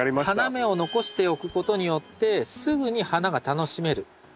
花芽を残しておくことによってすぐに花が楽しめる。